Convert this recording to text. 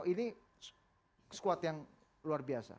ini squad yang luar biasa